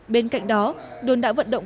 bên cạnh đó đồn đã vận động